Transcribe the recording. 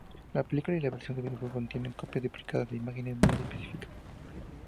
La película y la versión del videojuego contienen copias duplicadas de imágenes muy específicas.